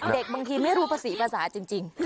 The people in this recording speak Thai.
บางทีไม่รู้ภาษีภาษาจริง